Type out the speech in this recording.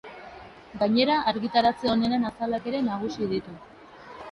Gainera, argitaratze onenen azalak ere nagusitu ditu.